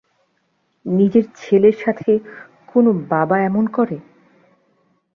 নিজের ছেলের সাথে কোন বাবা এমন করে?